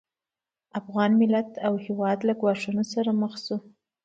افغان ملت او هېواد له ګواښونو سره مخ شو